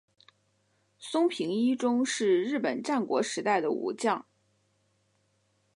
松平伊忠是日本战国时代的武将。